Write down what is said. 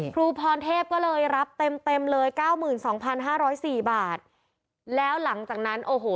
ครูพรเทพก็เลยรับเต็มเต็มเลยเก้าหมื่นสองพันห้าร้อยสี่บาทแล้วหลังจากนั้นโอ้โห